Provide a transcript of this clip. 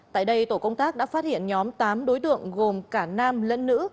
tại đây tổ công tác đã phát hiện nhóm tám đối tượng gồm cả nam lẫn nữ